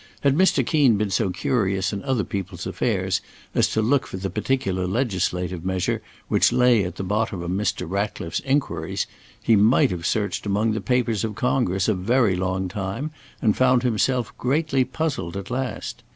Had Mr. Keen been so curious in other people's affairs as to look for the particular legislative measure which lay at the bottom of Mr. Ratcliffe's inquiries, he might have searched among the papers of Congress a very long time and found himself greatly puzzled at last.